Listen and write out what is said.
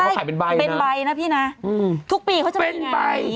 เขาขายเป็นใบนะพี่นะทุกปีเขาจะปิดอย่างนี้เป็นใบ